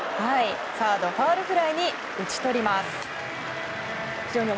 サードファウルフライに打ち取ります。